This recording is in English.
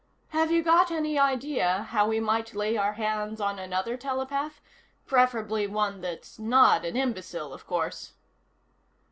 "Have you got any idea how we might lay our hands on another telepath? Preferably one that's not an imbecile, of course."